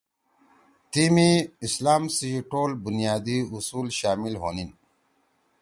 تیمی اسلام سی ٹول بنیادی اصول شامل ہونین